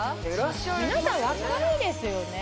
皆さん若いですよね